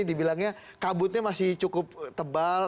dibilangnya kabutnya masih cukup tebal